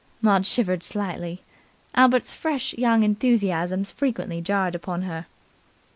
Maud shivered slightly. Albert's fresh young enthusiasms frequently jarred upon her.